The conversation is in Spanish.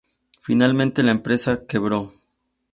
Finalmente la empresa quebró.